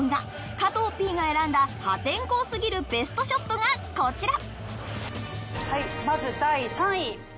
加藤Ｐが選んだ破天荒すぎるベストショットがこちらまず第３位。